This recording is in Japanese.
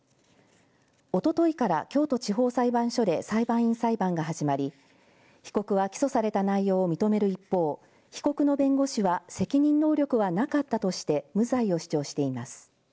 おとといから京都地方裁判所で裁判員裁判が始まり被告は起訴された内容を認める一方被告の弁護士は責任能力はなかったとして無罪を主張しています。